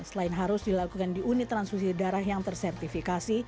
selain harus dilakukan di unit transfusi darah yang tersertifikasi